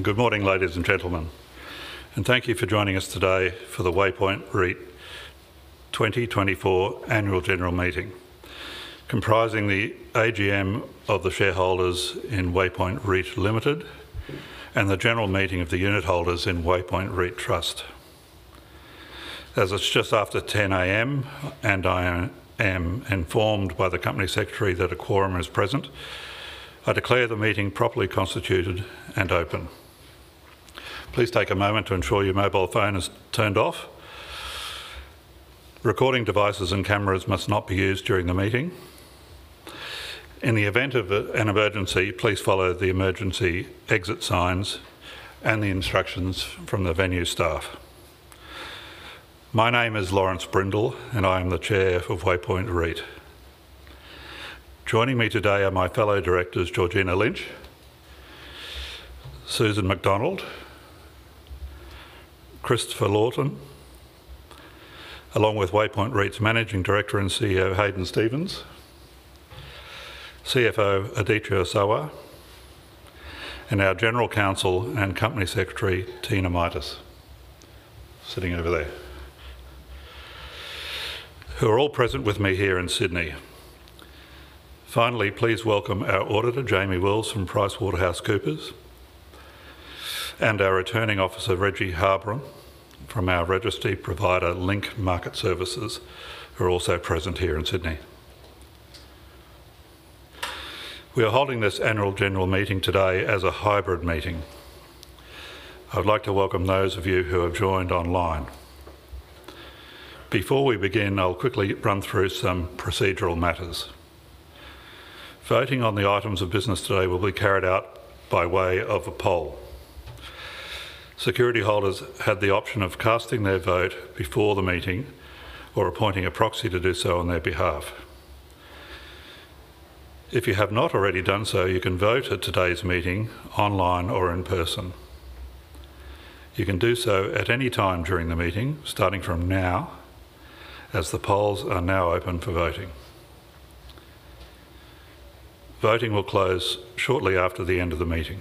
Good morning, ladies and gentlemen, and thank you for joining us today for the Waypoint REIT 2024 Annual General Meeting, comprising the AGM of the shareholders in Waypoint REIT Limited, and the general meeting of the unit holders in Waypoint REIT Trust. As it's just after 10 A.M., and I am informed by the company secretary that a quorum is present, I declare the meeting properly constituted and open. Please take a moment to ensure your mobile phone is turned off. Recording devices and cameras must not be used during the meeting. In the event of an emergency, please follow the emergency exit signs and the instructions from the venue staff. My name is Laurence Brindle, and I am the Chair of Waypoint REIT. Joining me today are my fellow directors, Georgina Lynch, Susan MacDonald, Christopher Lawton, along with Waypoint REIT's Managing Director and CEO, Hadyn Stephens, CFO Aditya Asawa, and our General Counsel and Company Secretary, Tina Mitas, sitting over there, who are all present with me here in Sydney. Finally, please welcome our auditor, Jamie Wills, from PricewaterhouseCoopers, and our Returning Officer, Reggie Harbron, from our registry provider, Link Market Services, who are also present here in Sydney. We are holding this annual general meeting today as a hybrid meeting. I'd like to welcome those of you who have joined online. Before we begin, I'll quickly run through some procedural matters. Voting on the items of business today will be carried out by way of a poll. Security holders had the option of casting their vote before the meeting or appointing a proxy to do so on their behalf. If you have not already done so, you can vote at today's meeting online or in person. You can do so at any time during the meeting, starting from now, as the polls are now open for voting. Voting will close shortly after the end of the meeting.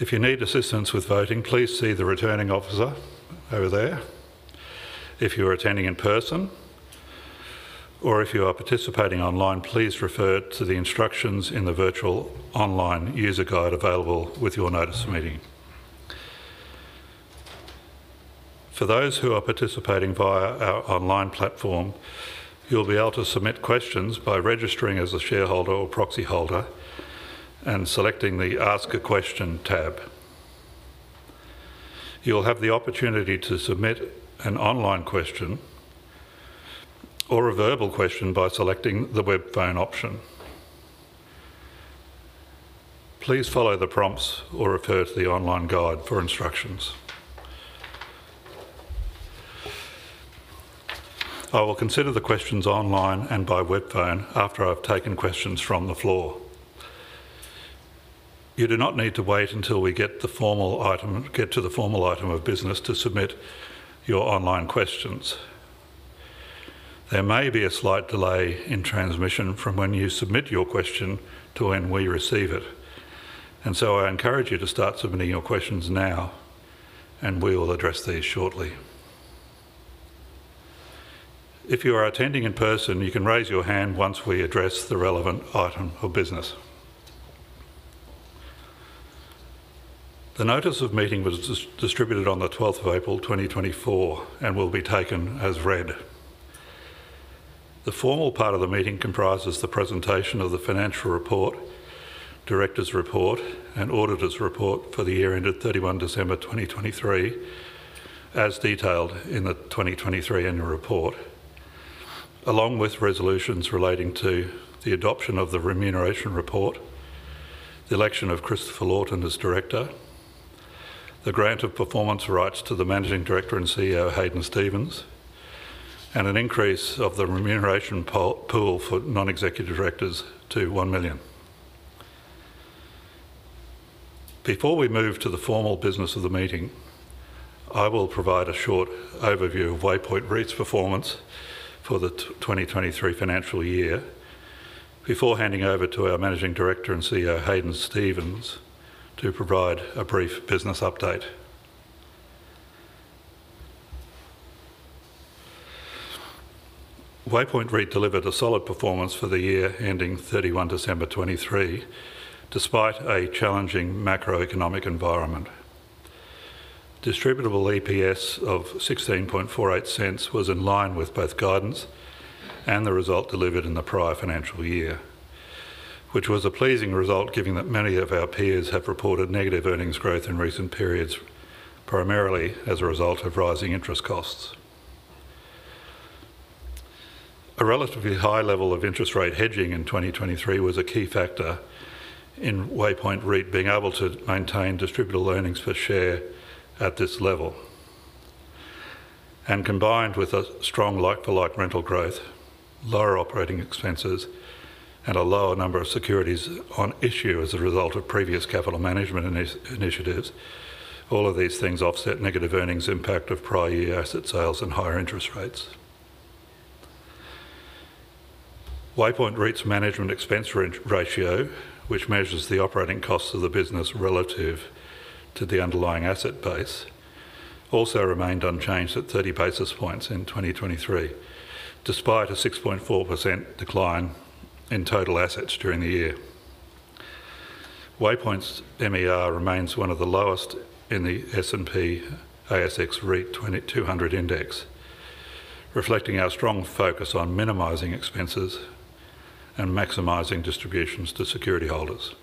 If you need assistance with voting, please see the Returning Officer over there. If you are attending in person or if you are participating online, please refer to the instructions in the virtual online user guide available with your notice of meeting. For those who are participating via our online platform, you'll be able to submit questions by registering as a shareholder or proxy holder and selecting the Ask a Question tab. You'll have the opportunity to submit an online question or a verbal question by selecting the Webphone option. Please follow the prompts or refer to the online guide for instructions. I will consider the questions online and by Webphone after I've taken questions from the floor. You do not need to wait until we get to the formal item of business to submit your online questions. There may be a slight delay in transmission from when you submit your question to when we receive it, and so I encourage you to start submitting your questions now, and we will address these shortly. If you are attending in person, you can raise your hand once we address the relevant item of business. The notice of meeting was distributed on the twelfth of April, 2024, and will be taken as read. The formal part of the meeting comprises the presentation of the financial report, directors' report, and auditors' report for the year ended 31 December 2023, as detailed in the 2023 annual report, along with resolutions relating to the adoption of the remuneration report, the election of Christopher Lawton as director, the grant of performance rights to the Managing Director and CEO, Hadyn Stephens, and an increase of the remuneration pool for non-executive directors to 1 million. Before we move to the formal business of the meeting, I will provide a short overview of Waypoint REIT's performance for the 2023 financial year before handing over to our Managing Director and CEO, Hadyn Stephens, to provide a brief business update. Waypoint REIT delivered a solid performance for the year ending 31 December 2023, despite a challenging macroeconomic environment. Distributable EPS of 0.1648 was in line with both guidance and the result delivered in the prior financial year, which was a pleasing result, given that many of our peers have reported negative earnings growth in recent periods, primarily as a result of rising interest costs. A relatively high level of interest rate hedging in 2023 was a key factor in Waypoint REIT being able to maintain distributable earnings per share at this level. And combined with a strong like-for-like rental growth, lower operating expenses, and a lower number of securities on issue as a result of previous capital management initiatives, all of these things offset negative earnings impact of prior year asset sales and higher interest rates. Waypoint REIT's management expense ratio, which measures the operating costs of the business relative to the underlying asset base, also remained unchanged at 30 basis points in 2023, despite a 6.4% decline in total assets during the year. Waypoint's MER remains one of the lowest in the S&P/ASX 200 A-REIT index, reflecting our strong focus on minimizing expenses and maximizing distributions to security holders.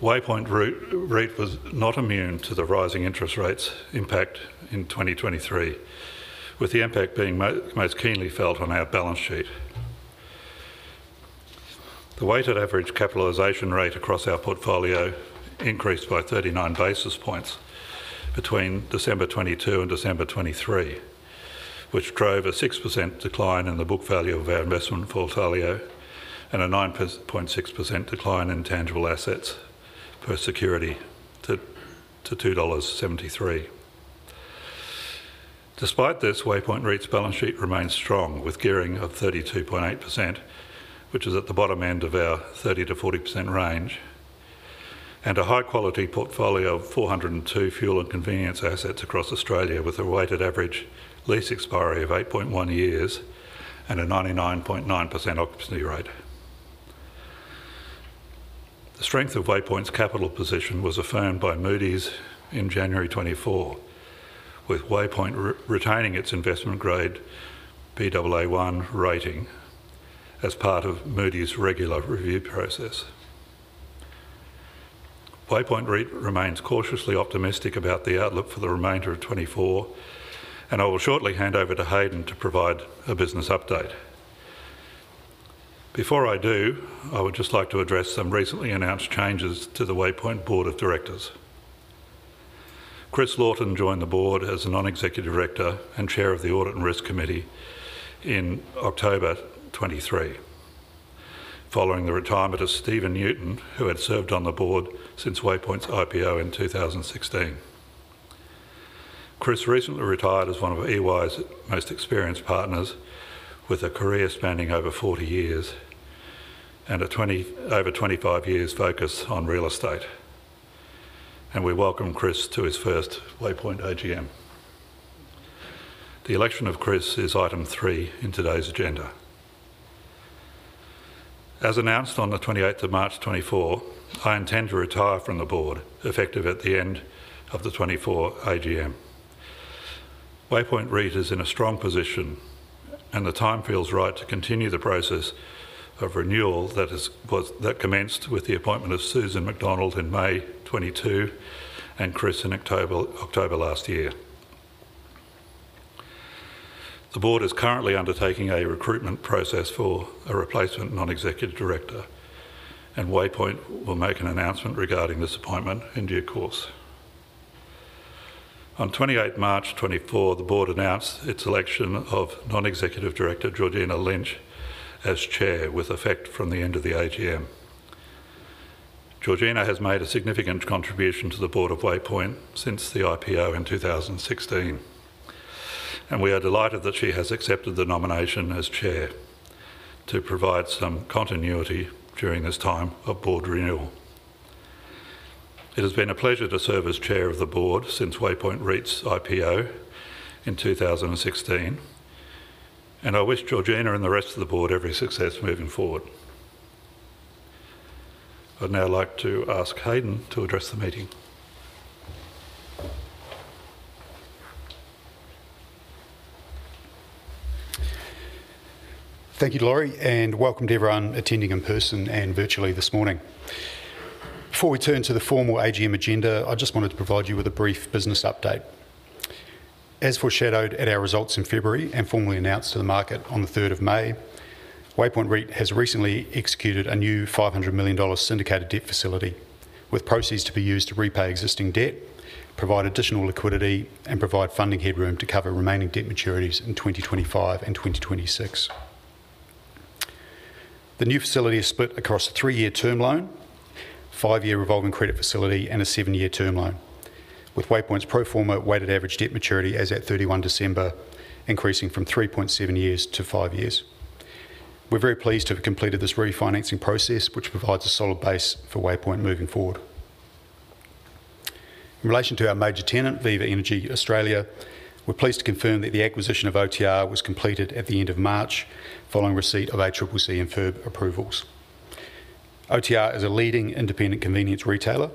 Waypoint REIT was not immune to the rising interest rates impact in 2023, with the impact being most keenly felt on our balance sheet. The weighted average capitalization rate across our portfolio increased by 39 basis points between December 2022 and December 2023, which drove a 6% decline in the book value of our investment portfolio and a 9.6% decline in tangible assets per security to 2.73 dollars. Despite this, Waypoint REIT's balance sheet remains strong, with gearing of 32.8%, which is at the bottom end of our 30%-40% range, and a high-quality portfolio of 402 fuel and convenience assets across Australia, with a weighted average lease expiry of 8.1 years and a 99.9% occupancy rate. The strength of Waypoint's capital position was affirmed by Moody's in January 2024, with Waypoint retaining its investment grade Baa1 rating as part of Moody's regular review process. Waypoint REIT remains cautiously optimistic about the outlook for the remainder of 2024, and I will shortly hand over to Hadyn to provide a business update. Before I do, I would just like to address some recently announced changes to the Waypoint board of directors. Chris Lawton joined the board as a non-executive director and Chair of the Audit and Risk Committee in October 2023, following the retirement of Stephen Newton, who had served on the board since Waypoint's IPO in 2016. Chris recently retired as one of EY's most experienced partners, with a career spanning over 40 years and a 25-year focus on real estate, and we welcome Chris to his first Waypoint AGM. The election of Chris is item three in today's agenda. As announced on the 28th of March 2024, I intend to retire from the board, effective at the end of the 2024 AGM. Waypoint REIT is in a strong position, and the time feels right to continue the process of renewal that commenced with the appointment of Susan MacDonald in May 2022 and Chris in October last year. The board is currently undertaking a recruitment process for a replacement non-executive director, and Waypoint will make an announcement regarding this appointment in due course. On 28 March 2024, the board announced its election of non-executive director Georgina Lynch as chair, with effect from the end of the AGM. Georgina has made a significant contribution to the board of Waypoint since the IPO in 2016, and we are delighted that she has accepted the nomination as chair to provide some continuity during this time of board renewal. It has been a pleasure to serve as chair of the board since Waypoint REIT's IPO in 2016, and I wish Georgina and the rest of the board every success moving forward. I'd now like to ask Hadyn to address the meeting. Thank you, Laurie, and welcome to everyone attending in person and virtually this morning. Before we turn to the formal AGM agenda, I just wanted to provide you with a brief business update. As foreshadowed at our results in February and formally announced to the market on the 3rd of May, Waypoint REIT has recently executed a new 500 million dollar syndicated debt facility, with proceeds to be used to repay existing debt, provide additional liquidity, and provide funding headroom to cover remaining debt maturities in 2025 and 2026. The new facility is split across a 3-year term loan, 5-year revolving credit facility, and a 7-year term loan, with Waypoint's pro forma weighted average debt maturity as at 31 December, increasing from 3.7 years to 5 years. We're very pleased to have completed this refinancing process, which provides a solid base for Waypoint moving forward. In relation to our major tenant, Viva Energy Australia, we're pleased to confirm that the acquisition of OTR was completed at the end of March, following receipt of ACCC and FIRB approvals. OTR is a leading independent convenience retailer,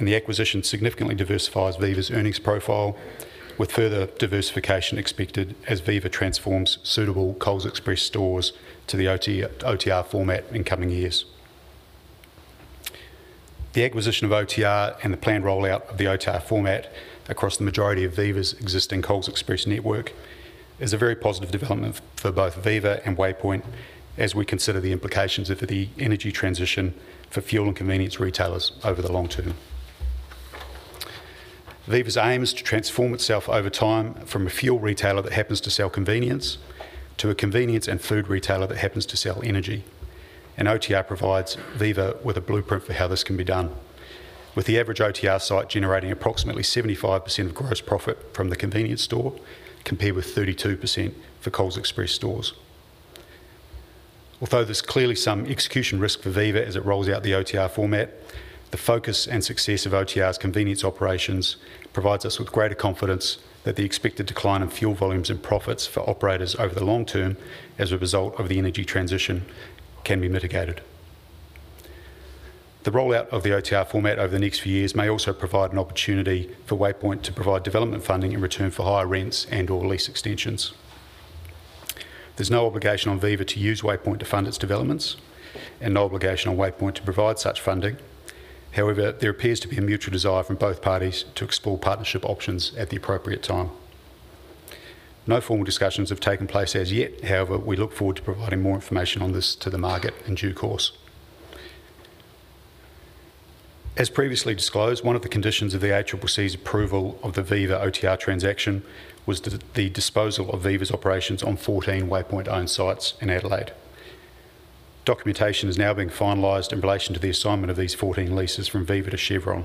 and the acquisition significantly diversifies Viva's earnings profile, with further diversification expected as Viva transforms suitable Coles Express stores to the OTR format in coming years. The acquisition of OTR and the planned rollout of the OTR format across the majority of Viva's existing Coles Express network is a very positive development for both Viva and Waypoint as we consider the implications of the energy transition for fuel and convenience retailers over the long term. Viva's aim is to transform itself over time from a fuel retailer that happens to sell convenience to a convenience and food retailer that happens to sell energy, and OTR provides Viva with a blueprint for how this can be done, with the average OTR site generating approximately 75% of gross profit from the convenience store, compared with 32% for Coles Express stores. Although there's clearly some execution risk for Viva as it rolls out the OTR format, the focus and success of OTR's convenience operations provides us with greater confidence that the expected decline in fuel volumes and profits for operators over the long term, as a result of the energy transition, can be mitigated. The rollout of the OTR format over the next few years may also provide an opportunity for Waypoint to provide development funding in return for higher rents and/or lease extensions. There's no obligation on Viva to use Waypoint to fund its developments, and no obligation on Waypoint to provide such funding. However, there appears to be a mutual desire from both parties to explore partnership options at the appropriate time. No formal discussions have taken place as yet, however, we look forward to providing more information on this to the market in due course. As previously disclosed, one of the conditions of the ACCC's approval of the Viva OTR transaction was the disposal of Viva's operations on 14 Waypoint-owned sites in Adelaide. Documentation is now being finalised in relation to the assignment of these 14 leases from Viva to Chevron.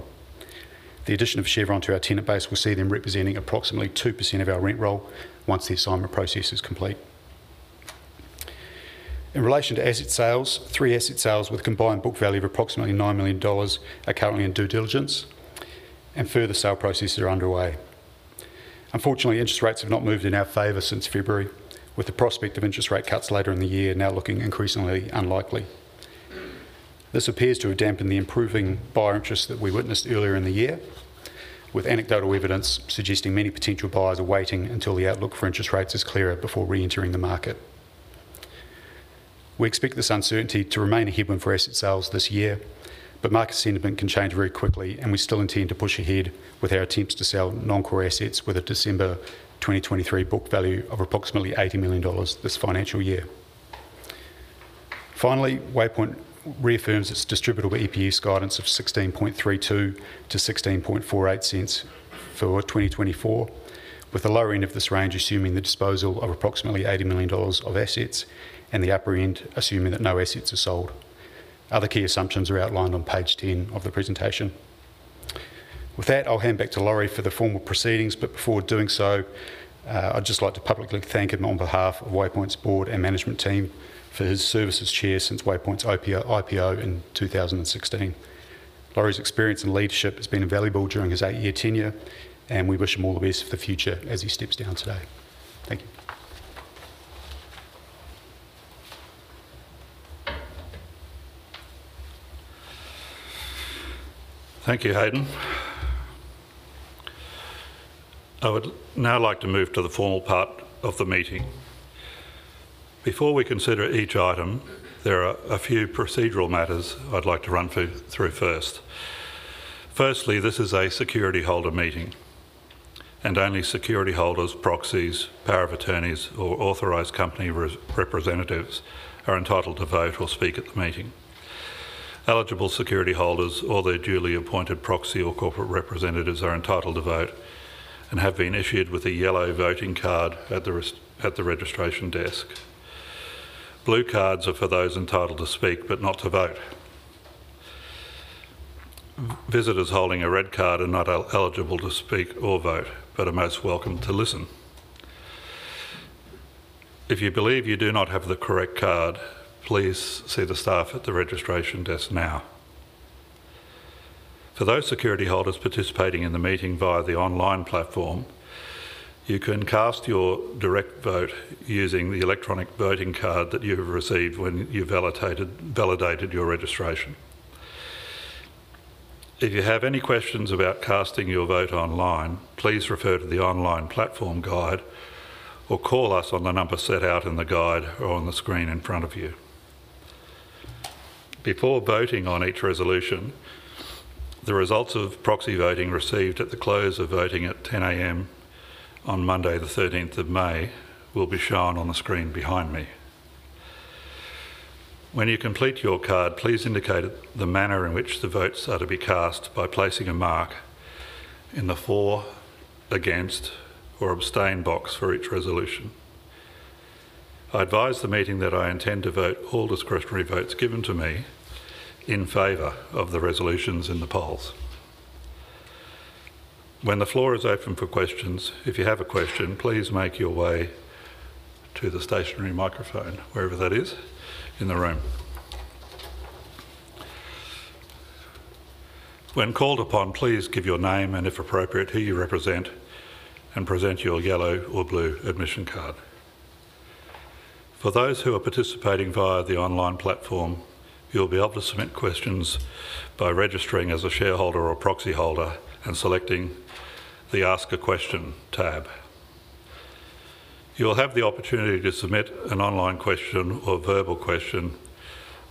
The addition of Chevron to our tenant base will see them representing approximately 2% of our rent roll once the assignment process is complete. In relation to asset sales, three asset sales with a combined book value of approximately 9 million dollars are currently in due diligence, and further sale processes are underway. Unfortunately, interest rates have not moved in our favor since February, with the prospect of interest rate cuts later in the year now looking increasingly unlikely. This appears to have dampened the improving buyer interest that we witnessed earlier in the year, with anecdotal evidence suggesting many potential buyers are waiting until the outlook for interest rates is clearer before re-entering the market. We expect this uncertainty to remain a headwind for asset sales this year, but market sentiment can change very quickly, and we still intend to push ahead with our attempts to sell non-core assets with a December 2023 book value of approximately 80 million dollars this financial year. Finally, Waypoint reaffirms its distributable EPS guidance of 16.32-16.48 cents for 2024, with the lower end of this range assuming the disposal of approximately 80 million dollars of assets, and the upper end assuming that no assets are sold. Other key assumptions are outlined on page 10 of the presentation. With that, I'll hand back to Laurie for the formal proceedings, but before doing so, I'd just like to publicly thank him on behalf of Waypoint's board and management team for his service as chair since Waypoint's IPO in 2016. Laurie's experience and leadership has been invaluable during his eight-year tenure, and we wish him all the best for the future as he steps down today. Thank you. Thank you, Hadyn. I would now like to move to the formal part of the meeting. Before we consider each item, there are a few procedural matters I'd like to run through first. Firstly, this is a security holder meeting, and only security holders, proxies, power of attorneys, or authorized company representatives are entitled to vote or speak at the meeting. Eligible security holders or their duly appointed proxy or corporate representatives are entitled to vote and have been issued with a yellow voting card at the registration desk. Blue cards are for those entitled to speak but not to vote. Visitors holding a red card are not eligible to speak or vote, but are most welcome to listen. If you believe you do not have the correct card, please see the staff at the registration desk now. For those security holders participating in the meeting via the online platform, you can cast your direct vote using the electronic voting card that you have received when you validated your registration. If you have any questions about casting your vote online, please refer to the online platform guide, or call us on the number set out in the guide or on the screen in front of you. Before voting on each resolution, the results of proxy voting received at the close of voting at 10:00 A.M. on Monday, the thirteenth of May, will be shown on the screen behind me. When you complete your card, please indicate the manner in which the votes are to be cast by placing a mark in the for, against, or abstain box for each resolution. I advise the meeting that I intend to vote all discretionary votes given to me in favor of the resolutions in the polls. When the floor is open for questions, if you have a question, please make your way to the stationary microphone, wherever that is in the room. When called upon, please give your name and, if appropriate, who you represent, and present your yellow or blue admission card. For those who are participating via the online platform, you'll be able to submit questions by registering as a shareholder or proxy holder and selecting the Ask a Question tab. You'll have the opportunity to submit an online question or verbal question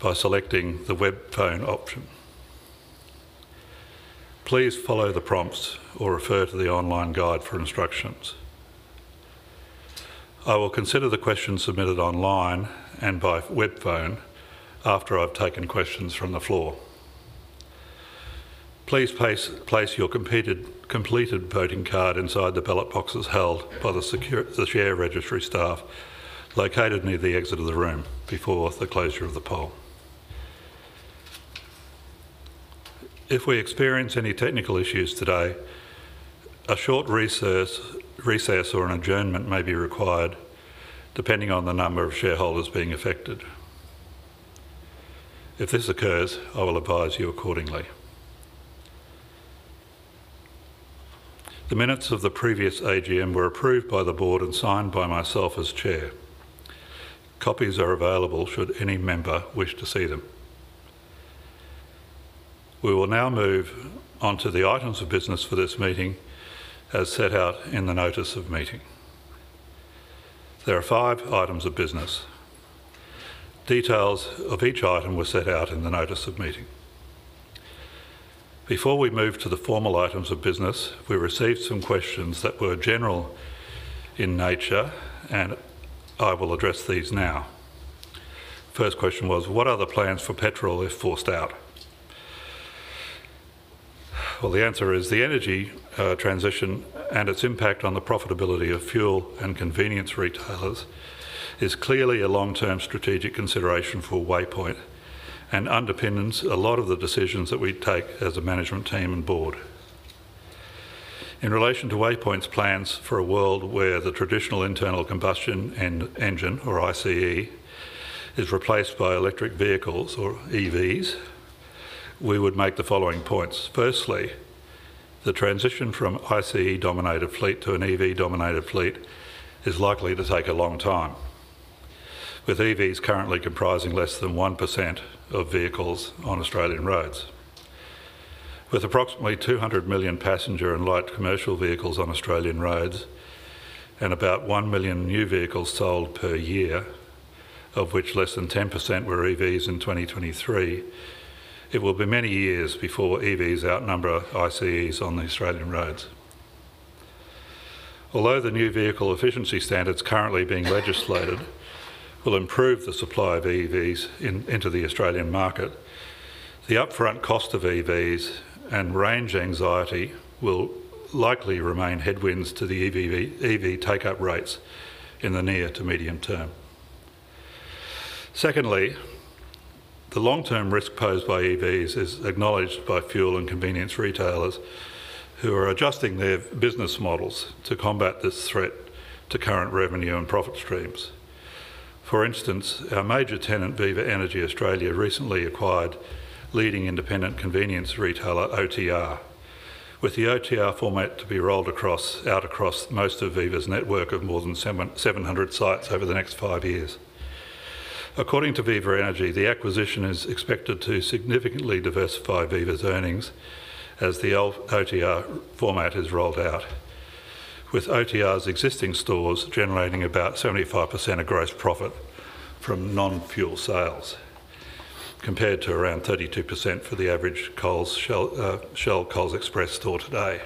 by selecting the Webphone option. Please follow the prompts or refer to the online guide for instructions. I will consider the questions submitted online and by Webphone after I've taken questions from the floor. Please place your completed voting card inside the ballot boxes held by the share registry staff located near the exit of the room before the closure of the poll. If we experience any technical issues today, a short recess or an adjournment may be required, depending on the number of shareholders being affected. If this occurs, I will advise you accordingly. The minutes of the previous AGM were approved by the board and signed by myself as chair. Copies are available should any member wish to see them. We will now move on to the items of business for this meeting, as set out in the notice of meeting. There are five items of business. Details of each item were set out in the notice of meeting. Before we move to the formal items of business, we received some questions that were general in nature, and I will address these now. First question was: What are the plans for petrol if forced out? Well, the answer is the energy transition and its impact on the profitability of fuel and convenience retailers is clearly a long-term strategic consideration for Waypoint, and underpins a lot of the decisions that we take as a management team and board. In relation to Waypoint's plans for a world where the traditional internal combustion engine, or ICE, is replaced by electric vehicles, or EVs, we would make the following points. Firstly, the transition from ICE-dominated fleet to an EV-dominated fleet is likely to take a long time, with EVs currently comprising less than 1% of vehicles on Australian roads. With approximately 200 million passenger and light commercial vehicles on Australian roads, and about 1 million new vehicles sold per year, of which less than 10% were EVs in 2023, it will be many years before EVs outnumber ICEs on the Australian roads. Although the new vehicle efficiency standards currently being legislated will improve the supply of EVs into the Australian market, the upfront cost of EVs and range anxiety will likely remain headwinds to the EV take-up rates in the near- to medium-term. Secondly, the long-term risk posed by EVs is acknowledged by fuel and convenience retailers, who are adjusting their business models to combat this threat to current revenue and profit streams. For instance, our major tenant, Viva Energy Australia, recently acquired leading independent convenience retailer, OTR, with the OTR format to be rolled out across most of Viva's network of more than 700 sites over the next five years. According to Viva Energy, the acquisition is expected to significantly diversify Viva's earnings as the OTR format is rolled out, with OTR's existing stores generating about 75% of gross profit from non-fuel sales, compared to around 32% for the average Shell Coles Express store today.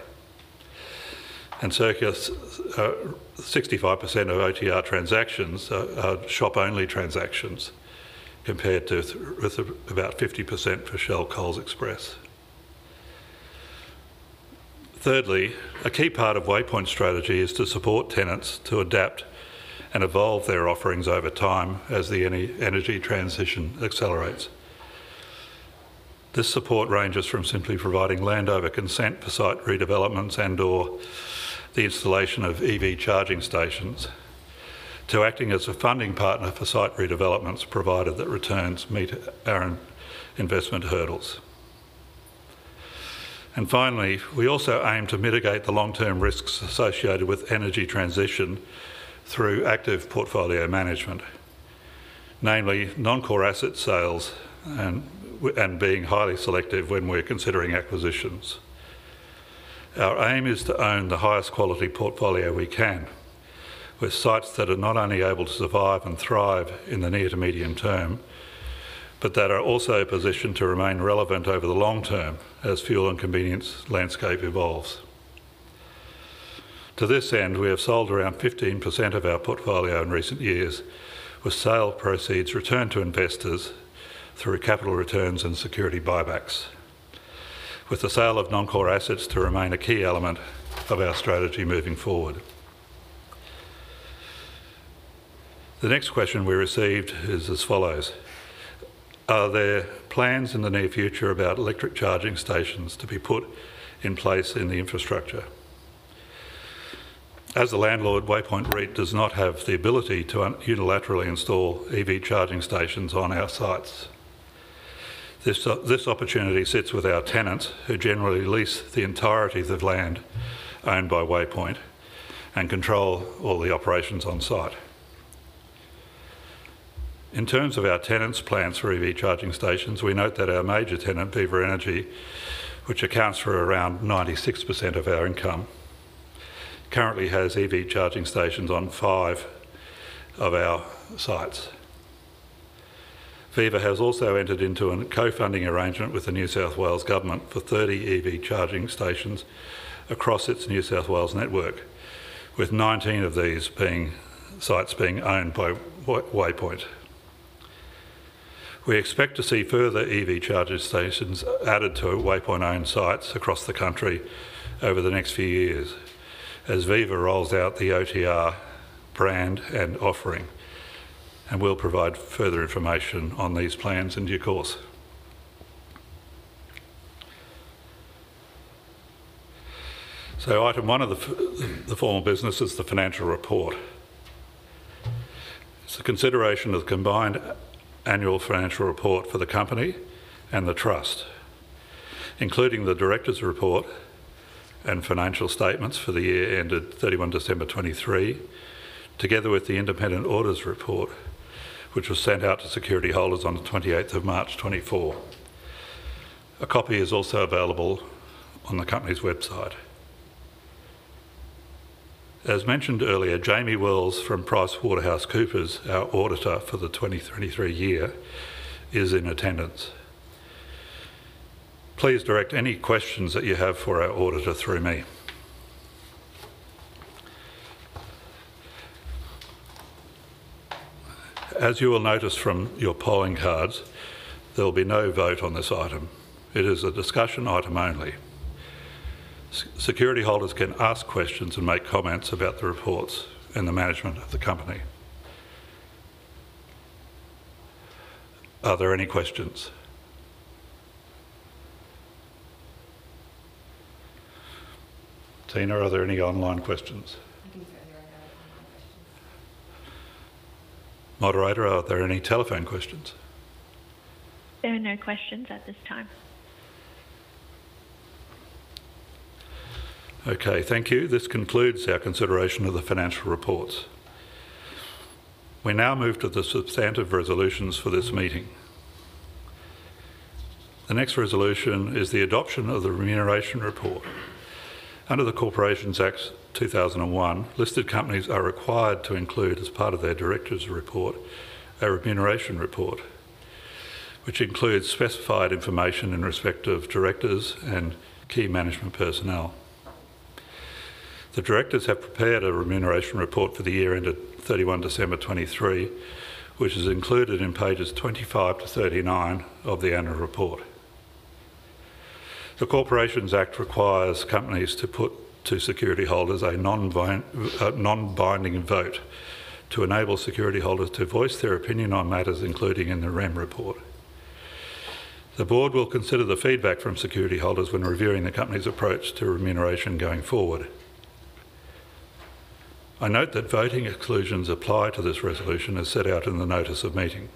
And circa 65% of OTR transactions are shop-only transactions, compared with about 50% for Shell Coles Express. Thirdly, a key part of Waypoint's strategy is to support tenants to adapt and evolve their offerings over time as the energy transition accelerates. This support ranges from simply providing land over consent for site redevelopments and/or the installation of EV charging stations, to acting as a funding partner for site redevelopments, provided the returns meet our investment hurdles. And finally, we also aim to mitigate the long-term risks associated with energy transition through active portfolio management, namely non-core asset sales and being highly selective when we're considering acquisitions. Our aim is to own the highest quality portfolio we can, with sites that are not only able to survive and thrive in the near to medium term, but that are also positioned to remain relevant over the long term as fuel and convenience landscape evolves. To this end, we have sold around 15% of our portfolio in recent years, with sale proceeds returned to investors through capital returns and security buybacks, with the sale of non-core assets to remain a key element of our strategy moving forward. The next question we received is as follows: Are there plans in the near future about electric charging stations to be put in place in the infrastructure? As a landlord, Waypoint REIT does not have the ability to unilaterally install EV charging stations on our sites. This opportunity sits with our tenants, who generally lease the entirety of the land owned by Waypoint and control all the operations on site. In terms of our tenants' plans for EV charging stations, we note that our major tenant, Viva Energy, which accounts for around 96% of our income, currently has EV charging stations on 5 of our sites. Viva has also entered into a co-funding arrangement with the New South Wales Government for 30 EV charging stations across its New South Wales network, with 19 of these being sites owned by Waypoint. We expect to see further EV charging stations added to Waypoint-owned sites across the country over the next few years, as Viva rolls out the OTR brand and offering, and we'll provide further information on these plans in due course. So item one of the formal business is the financial report. It's the consideration of the combined annual financial report for the company and the trust, including the directors' report and financial statements for the year ended 31 December 2023, together with the independent auditor's report, which was sent out to security holders on the 28th of March 2024. A copy is also available on the company's website. As mentioned earlier, Jamie Wills from PricewaterhouseCoopers, our auditor for the 2023 year, is in attendance. Please direct any questions that you have for our auditor through me. As you will notice from your polling cards, there will be no vote on this item. It is a discussion item only. Security holders can ask questions and make comments about the reports and the management of the company. Are there any questions? Tina, are there any online questions? Moderator, are there any telephone questions? There are no questions at this time. Okay, thank you. This concludes our consideration of the financial reports. We now move to the substantive resolutions for this meeting. The next resolution is the adoption of the remuneration report. Under the Corporations Act 2001, listed companies are required to include, as part of their directors' report, a remuneration report, which includes specified information in respect of directors and key management personnel. The directors have prepared a remuneration report for the year ended 31 December 2023, which is included in pages 25 to 39 of the annual report. The Corporations Act requires companies to put to security holders a non-binding vote, to enable security holders to voice their opinion on matters, including in the rem report. The board will consider the feedback from security holders when reviewing the company's approach to remuneration going forward. I note that voting exclusions apply to this resolution, as set out in the notice of meeting.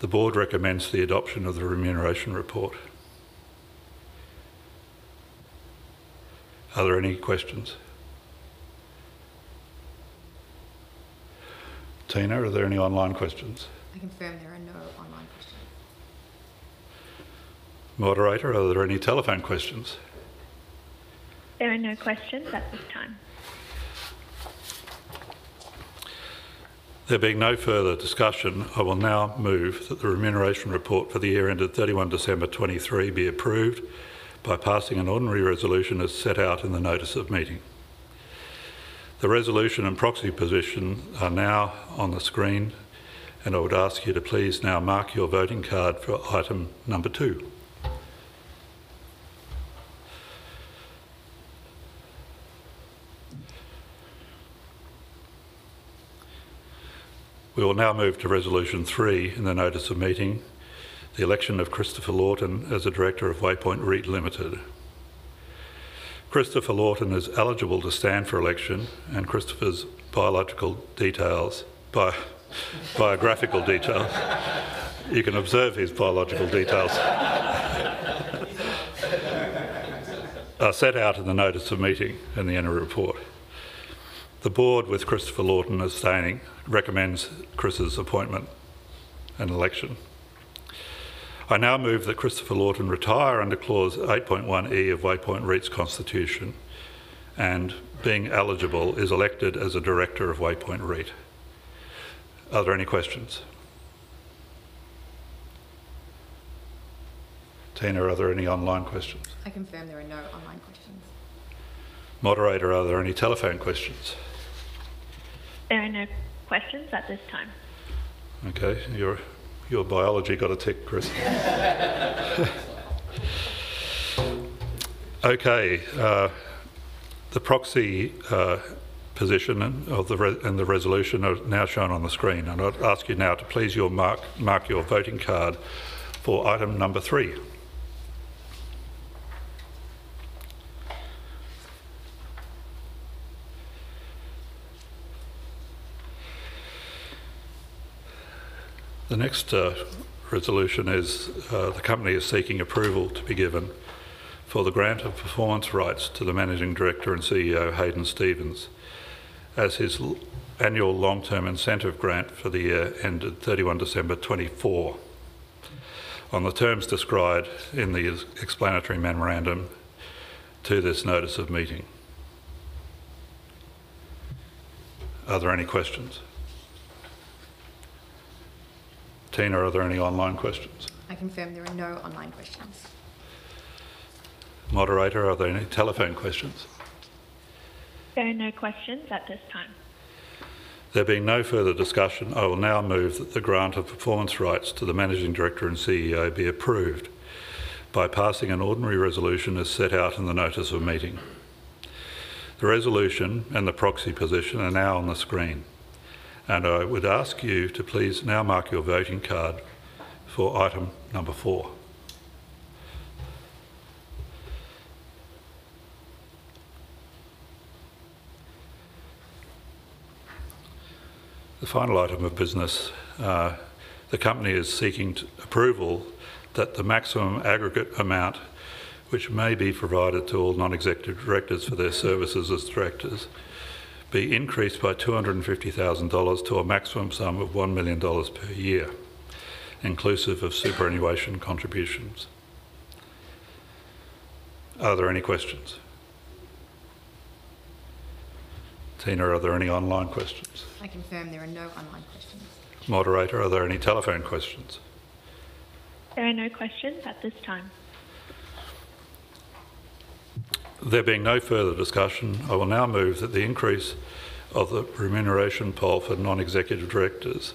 The board recommends the adoption of the Remuneration Report. Are there any questions? Tina, are there any online questions? I confirm there are no online questions. Moderator, are there any telephone questions? There are no questions at this time. There being no further discussion, I will now move that the remuneration report for the year ended 31 December 2023 be approved by passing an ordinary resolution as set out in the notice of meeting. The resolution and proxy position are now on the screen, and I would ask you to please now mark your voting card for item number 2. We will now move to resolution 3 in the notice of meeting, the election of Christopher Lawton as a director of Waypoint REIT Limited. Christopher Lawton is eligible to stand for election, and Christopher's biographical details. You can observe his biographical details are set out in the notice of meeting in the annual report. The board, with Christopher Lawton abstaining, recommends Chris's appointment and election. I now move that Christopher Lawton retire under Clause 8.1 E of Waypoint REIT's Constitution, and being eligible, is elected as a director of Waypoint REIT. Are there any questions? Tina, are there any online questions? I confirm there are no online questions. Moderator, are there any telephone questions? There are no questions at this time. Okay, your ballot got a tick, Chris. Okay, the proxy position and the resolution are now shown on the screen, and I'd ask you now to please mark your voting card for item 3. The next resolution is the company is seeking approval to be given for the grant of performance rights to the Managing Director and CEO, Hadyn Stephens, as his long-term incentive grant for the year ended 31 December 2024, on the terms described in the explanatory memorandum to this notice of meeting. Are there any questions? Tina, are there any online questions? I confirm there are no online questions. Moderator, are there any telephone questions? There are no questions at this time. There being no further discussion, I will now move that the grant of performance rights to the Managing Director and CEO be approved by passing an ordinary resolution as set out in the notice of meeting. The resolution and the proxy position are now on the screen, and I would ask you to please now mark your voting card for item number 4. The final item of business, the company is seeking approval that the maximum aggregate amount, which may be provided to all non-executive directors for their services as directors, be increased by 250,000 dollars to a maximum sum of 1 million dollars per year, inclusive of superannuation contributions. Are there any questions? Tina, are there any online questions? I confirm there are no online questions. Moderator, are there any telephone questions? There are no questions at this time. There being no further discussion, I will now move that the increase of the remuneration pool for non-executive directors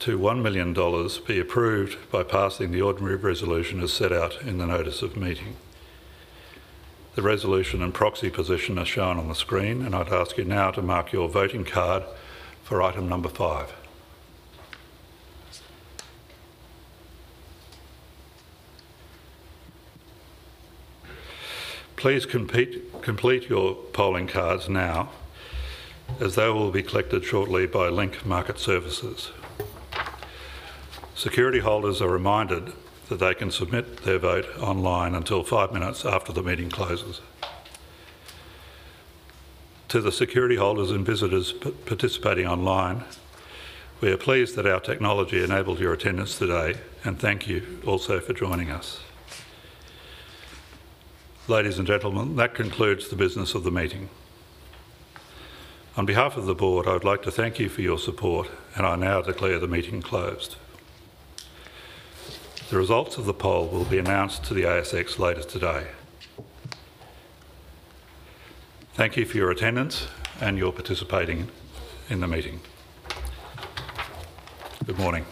to 1 million dollars be approved by passing the ordinary resolution as set out in the notice of meeting. The resolution and proxy position are shown on the screen, and I'd ask you now to mark your voting card for item number 5. Please complete your polling cards now, as they will be collected shortly by Link Market Services. Security holders are reminded that they can submit their vote online until 5 minutes after the meeting closes. To the security holders and visitors participating online, we are pleased that our technology enabled your attendance today, and thank you also for joining us. Ladies and gentlemen, that concludes the business of the meeting. On behalf of the board, I would like to thank you for your support, and I now declare the meeting closed. The results of the poll will be announced to the ASX later today. Thank you for your attendance and your participating in the meeting. Good morning.